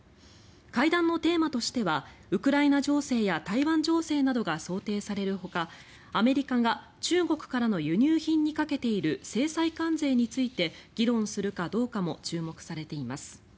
会談のテーマとしてはウクライナ情勢や台湾情勢などが想定されるほか、アメリカが中国からの輸入品にかけている制裁関税について議論するかどうかも注目されています。